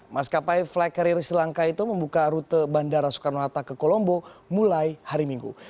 maskapai flight carrier sri lanka itu membuka rute bandara soekarno hatta ke kolombo mulai hari minggu